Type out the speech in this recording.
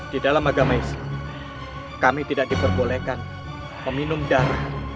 di dalam agama islam kami tidak diperbolehkan meminum darah